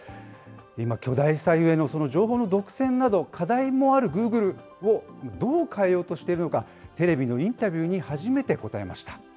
今、巨大さゆえの情報の独占など、課題もあるグーグルを、どう変えようとしているのか、テレビのインタビューに初めて答えました。